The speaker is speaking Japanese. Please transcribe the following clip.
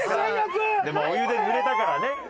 でもお湯でぬれたからね。